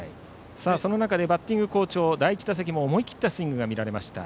その中でバッティング好調第１打席も思い切ったスイングを見せました